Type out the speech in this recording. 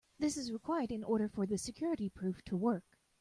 This is required in order for the security proof to work.